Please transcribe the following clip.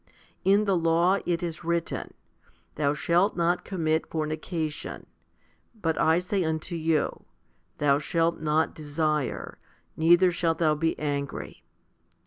* In the law it is written, Thou shalt not commit fornication ; but I say unto you, Thou shalt not desire, neither shalt thou be angry."